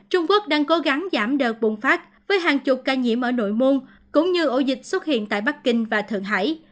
trung quốc đang cố gắng giảm đợt bùng phát với hàng chục ca nhiễm ở nội môn cũng như ổ dịch xuất hiện tại bắc kinh và thượng hải